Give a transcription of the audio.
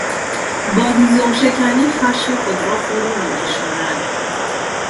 با هیزمشکنی خشم خود را فرو مینشاند.